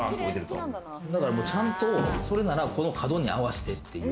だから、ちゃんと、それなら角に合わせてという。